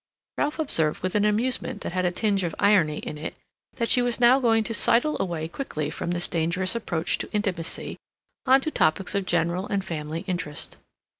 Ralph observed, with an amusement that had a tinge of irony in it, that she was now going to sidle away quickly from this dangerous approach to intimacy on to topics of general and family interest.